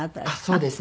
そうですね。